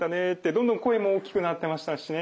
どんどん声も大きくなってましたしね。